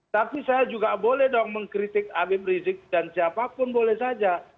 tapi saya juga boleh dong mengkritik habib rizik dan siapapun boleh saja